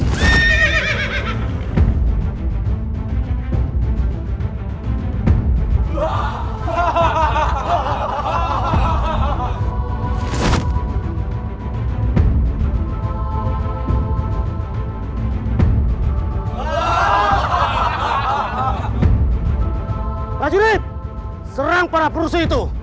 pak jurid serang para perusahaan itu